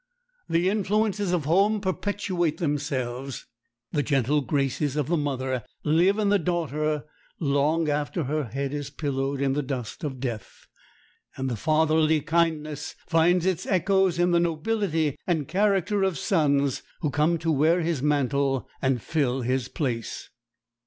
The influences of home perpetuate themselves. The gentle graces of the mother live in the daughter long after her head is pillowed in the dust of death; and the fatherly kindness finds its echoes in the nobility and character of sons who come to wear his mantle and fill his place.